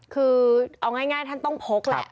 คือเอาง่ายท่านต้องพกแหละ